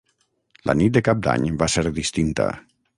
La nit de cap d'any va ser distinta.